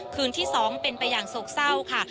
คืนที่๒เป็นไปอย่างโศกเศร้าค่ะ